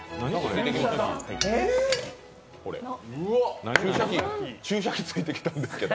これ、注射器ついてきたんですけど。